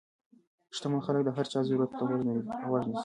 شتمن خلک د هر چا ضرورت ته غوږ نیسي.